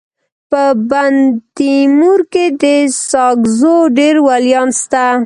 په بندتیمور کي د ساکزو ډير ولیان سته.